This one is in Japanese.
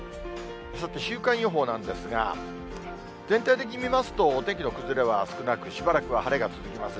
さて、週間予報なんですが、全体的に見ますと、お天気の崩れは少なく、しばらくは晴れが続きます。